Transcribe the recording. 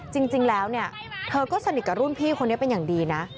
จริงแล้วเนี่ยเธอก็สนิทกับรุ่นพี่คนนี้เป็นอย่างดีนะ